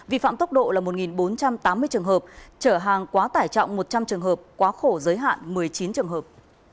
vi phạm tốc độ là một bốn trăm tám mươi trường hợp trở hàng quá tải trọng một trăm linh trường hợp quá khổ giới hạn một mươi chín trường hợp